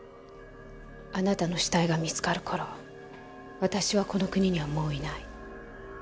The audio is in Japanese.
あなたの死体が見つかる頃私はこの国にはもういない。